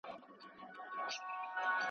زموږ یې خټه ده اغږلې له تنوره `